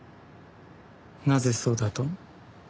なぜそうだと？